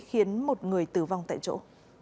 khiến một người tử vong tại chỗ